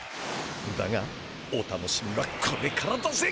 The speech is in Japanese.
だがお楽しみはこれからだぜ！